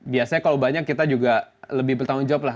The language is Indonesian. biasanya kalau banyak kita juga lebih bertanggung jawab lah